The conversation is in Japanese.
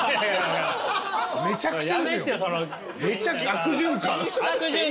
悪循環。